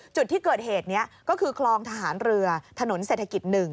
จุดที่เกิดเหตุนี้ก็คือคลองทหารเรือถนนเศรษฐกิจ๑